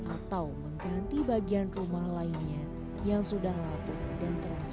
atau mengganti bagian rumah lainnya yang sudah laput dan terancam ambruk